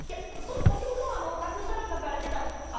先ほどたくさん書かれてた。